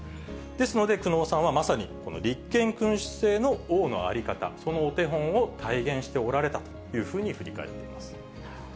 ですので久能さんはまさに立憲君主制の王の在り方、そのお手本を体現しておられたというふうに振り返っています。